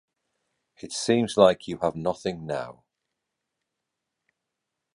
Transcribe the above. It seems like you have nothing now